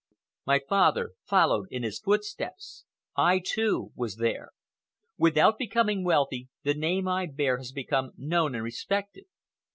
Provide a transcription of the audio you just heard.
My father followed in his footsteps. I, too, was there. Without becoming wealthy, the name I bear has become known and respected.